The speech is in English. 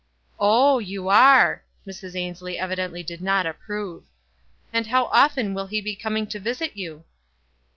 "Oh, you are." Mrs. Ainslic evidently did not approve. "And how often will he be coming to visit you?